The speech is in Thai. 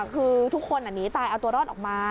คือทุกคนหนีตายเอาตัวรอดออกมา